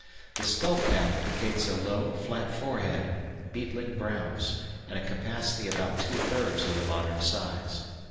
The skull cap indicates a low, flat forehead, beetling brows, and a capacity about two thirds of the modern size.